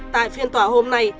tại phiên tòa hôm nay